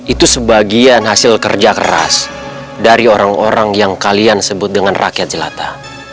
itu sebagian hasil kerja keras dari orang orang yang kalian sebut dengan rakyat jelata